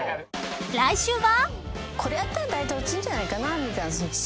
［来週は］